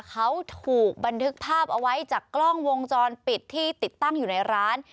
เขาถูกบันทึกภาพเอาไว้จากกล้องวงจรปิดที่ติดตั้งอยู่ในร้าน